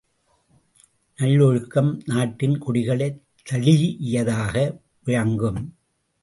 நல்லொழுக்கம் நாட்டின் குடிகளைத் தழீஇயதாக விளங்கும்.